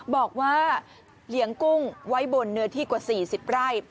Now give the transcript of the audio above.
บอกว่าเลี้ยงกุ้งไว้บนเนื้อที่กว่า๔๐ไร่